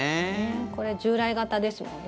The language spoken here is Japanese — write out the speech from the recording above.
これは従来型ですもんね。